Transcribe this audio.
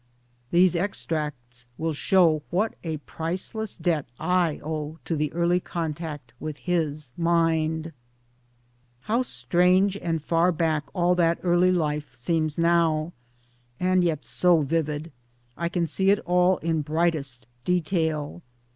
'' These extracts will show what a priceless debt I owe to the early contact with his mind. How strange and far back all that early life seems now and yet so vivid I can see it all in brightest detail